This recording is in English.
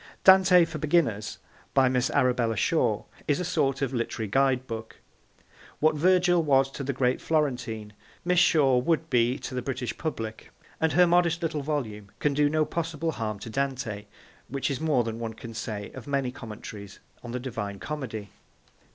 Dante for Beginners, by Miss Arabella Shore, is a sort of literary guide book. What Virgil was to the great Florentine, Miss Shore would be to the British public, and her modest little volume can do no possible harm to Dante, which is more than one can say of many commentaries on the Divine Comedy.